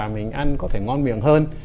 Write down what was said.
và mình ăn có thể ngon miệng hơn